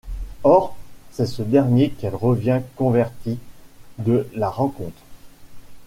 Or, c'est ce dernier qui revient converti de la rencontre.